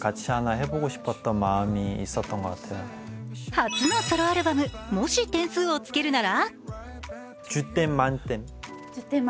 初のソロアルバム、もし点数をつけるなら？